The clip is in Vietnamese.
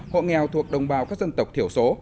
hộ nghèo thuộc đồng bào các dân tộc thiểu số